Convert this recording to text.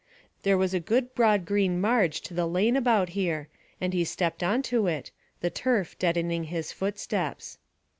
There was a good broad green marge to the lane about here, and he stepped on to it, the turf deadening his footsteps.